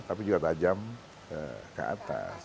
tapi juga tajam ke atas